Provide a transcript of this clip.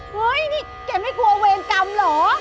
เฮ้ยนี่แกไม่กลัวเวรกรรมเหรอ